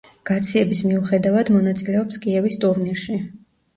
გაციების მიუხედავად მონაწილეობს კიევის ტურნირში.